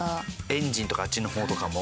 エンジンとかあっちの方とかも？